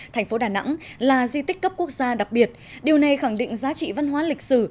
thành phố đà nẵng là di tích cấp quốc gia đặc biệt điều này khẳng định giá trị văn hóa lịch sử